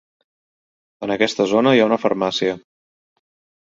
En aquesta zona hi ha una farmàcia.